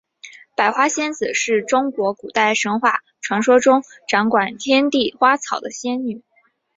百花仙子是中国古代神话传说中掌管天地花草的仙女。